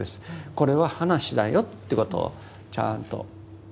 これは話だよってことをちゃんと。